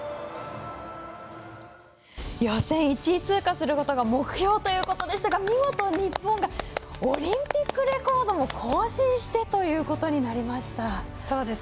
予選１位通過することが目標ということでしたが見事、日本がオリンピックレコードを更新してということになりました。